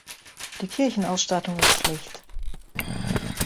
Die Kirchenausstattung ist schlicht.